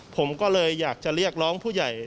ผมก็เลยอยากจะเรียกร้องผู้ใหญ่